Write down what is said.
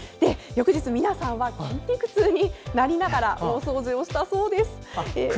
翌日、皆さんは筋肉痛になりながら大掃除をしたそうです。